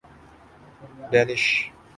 Danish